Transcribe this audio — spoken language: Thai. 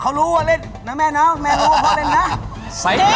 เขารู้ว่าเล่นนะแม่นะแม่รู้ว่าพ่อเล่นนะ